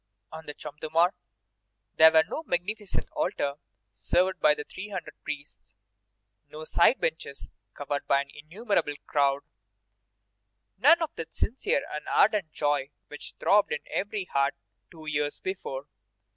On the Champ de Mars there was no magnificent altar served by three hundred priests, no side benches covered by an innumerable crowd, none of that sincere and ardent joy which throbbed in every heart two years before.